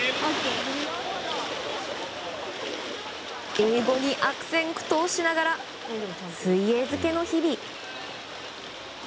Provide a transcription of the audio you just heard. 英語に悪戦苦闘しながら水泳漬けの日々。